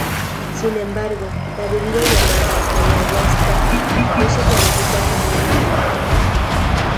Sin embargo, la bebida llamada ayahuasca no se clasifica como una droga.